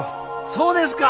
そうですか！